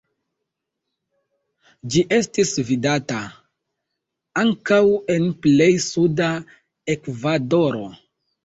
Ĝi estis vidata ankaŭ en plej suda Ekvadoro.